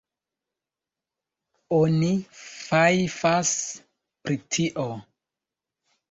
Oni fajfas pri tio.